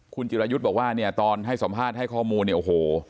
คุณจิรายุทธ์บอกว่าเนี่ยตอนให้สัมภาษณ์ให้ข้อมูลเนี่ยโอ้โห